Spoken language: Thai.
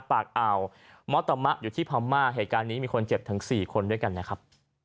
ปากอ่าวมอตมะอยู่ที่พม่าเหตุการณ์นี้มีคนเจ็บถึง๔คนด้วยกันนะครับ